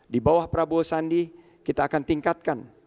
di bawah prabowo sandi kita akan tingkatkan